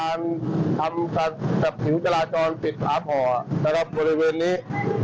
การทำการสับถิงจราจรปิดหาพอระหว่างบริเวณนี้